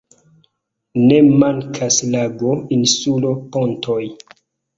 Ne mankas lago, insulo, pontoj.